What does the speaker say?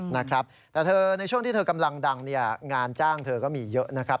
แต่ในช่วงที่เธอกำลังดังงานจ้างเธอก็มีเยอะนะครับ